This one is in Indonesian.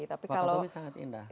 wakatobi sangat indah